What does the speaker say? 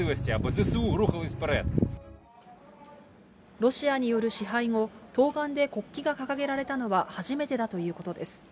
ロシアによる支配後、東岸で国旗が掲げられたのは初めてだということです。